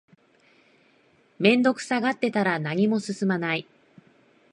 面倒くさがってたら何も進まない